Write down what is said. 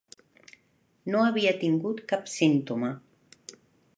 No havia tingut cap símptoma.